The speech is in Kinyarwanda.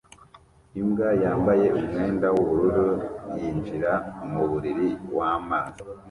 Imbwa yambaye umwenda w'ubururu yinjira mu mubiri w'amazi